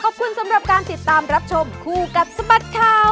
ขอบคุณสำหรับการติดตามรับชมคู่กับสบัดข่าว